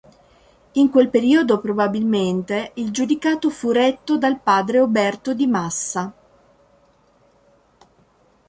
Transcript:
In quel periodo probabilmente il giudicato fu retto dal padre Oberto di Massa.